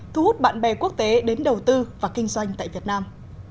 thu hút bạn bè quốc tế đến đầu tư và kinh doanh tại việt nam